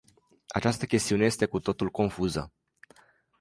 Această chestiune este cu totul confuză.